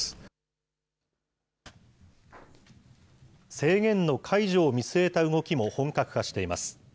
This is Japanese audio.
制限の解除を見据えた動きも本格化しています。